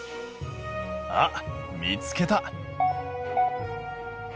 あっ見つけた！